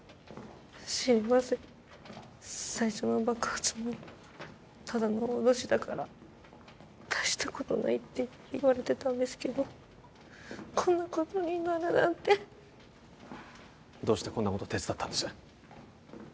知りません最初の爆発もただの脅しだから大したことないって言われてたんですけどこんなことになるなんてどうしてこんなこと手伝ったんです？